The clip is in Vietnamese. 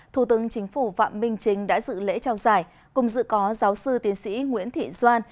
thủ tướng chính phủ phạm minh chính đã dự lễ trao giải cùng dự có giáo sư tiến sĩ nguyễn thị doan